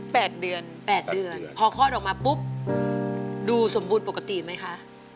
แปดเดือนแปดเดือนพอคลอดออกมาปุ๊บดูสมบูรณ์ปกติไหมคะ